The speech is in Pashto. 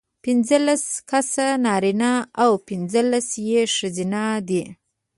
پینځلس کسه نارینه او پینځلس یې ښځینه دي.